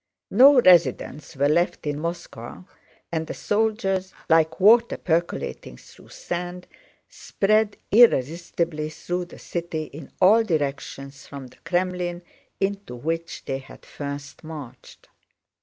No residents were left in Moscow, and the soldiers—like water percolating through sand—spread irresistibly through the city in all directions from the Krémlin into which they had first marched.